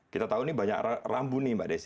kita tahu ini banyak rambu nih mbak desi